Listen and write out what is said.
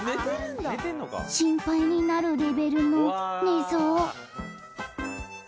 心配になるレベルの寝相